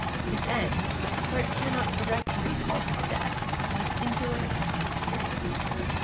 His end for it cannot correctly be called his death was singular and mysterious.